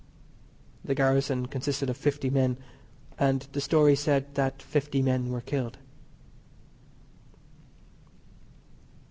The garrison consisted of fifty men, and the story said that fifty men were killed.